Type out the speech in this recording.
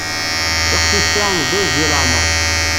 Taqcict-a meẓẓiyet di leɛmeṛ.